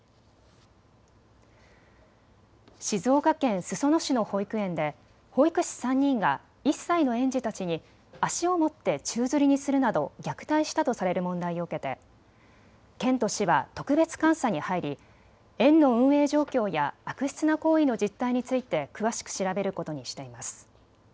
静岡県裾野市の保育園で保育士３人が１歳の園児たちに足を持って宙づりにするなど虐待したとされる問題を受けて県と市は特別監査に入り園の運営状況や悪質な行為の実態について詳しく調べることにしています。